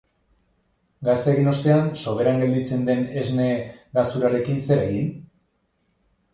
Gazta egin ostean, soberan gelditzen den esne gazurarekin zer egin?